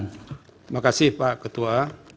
terima kasih pak ketua